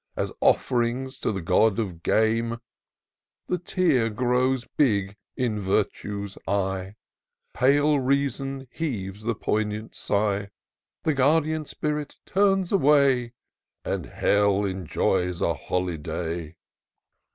As off 'rings to the god of game ; The tear grows big in Virtue's eye, Pale Reason heaves the poignant sigh : The guardian spirit turns away, And hell enjoys a holiday.